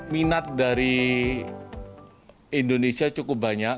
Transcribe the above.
minat dari indonesia cukup banyak